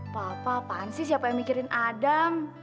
papa pan sih siapa yang mikirin adam